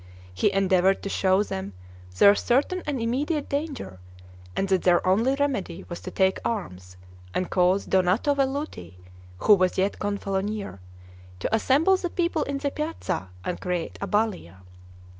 He endeavored to show them their certain and immediate danger, and that their only remedy was to take arms, and cause Donato Velluti, who was yet Gonfalonier, to assemble the people in the piazza and create a Balia.